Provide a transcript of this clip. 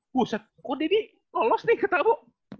buset kok dedy lolos nih ke tabung